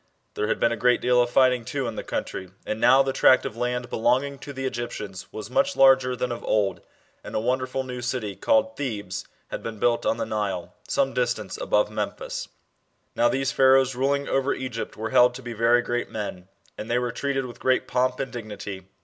There had been a great deal of fighting, too, in the country, and now the tract of land belonging to the Egyptians was much larger than of old, and a wonderful new city tailed Thebes had been built on the Nile, some distance above Memphis. Now these Pharaohs ruling over Egypt were held to be very great men, and they were treated with great pomp and dignity.